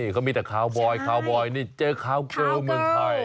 เขามีแต่คาวบอยคาวบอยนี่เจอคาวเกิลเมืองไทย